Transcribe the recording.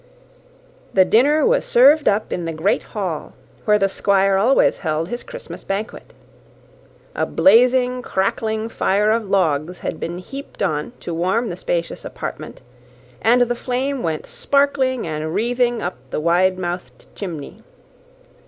The dinner was served up in the great hall, where the Squire always held his Christmas banquet. A blazing, crackling fire of logs had been heaped on to warm the spacious apartment, and the flame went sparkling and wreathing up the wide mouthed chimney.